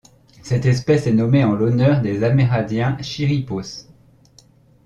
Cette espèce est nommée en l'honneur des amérindiens Chirripos.